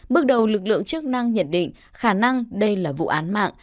bước đầu lực lượng chức năng nhận định khả năng đây là vụ án mạng